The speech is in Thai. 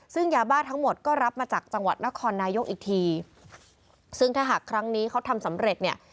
ซึ่งยาบ้าทั้งหมดก็รับมาจากจังหวัดนครนายกอีกทีซึ่งถ้าหากครั้งนี้เขาทำสำเร็จเนี่ย